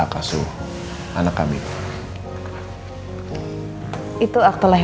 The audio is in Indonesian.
apa orangnya berikan alih tulisnya menjadi